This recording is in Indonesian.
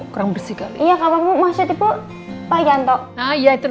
kurang bersih kali ya kakak bu maksudnya bu